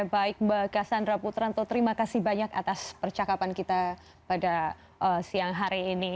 baik mbak cassandra putranto terima kasih banyak atas percakapan kita pada siang hari ini